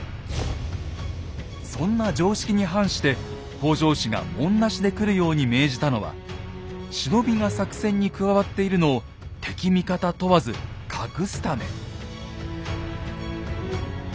そんな常識に反して北条氏が紋なしで来るように命じたのは忍びが作戦に加わっているのを敵味方問わず隠すため。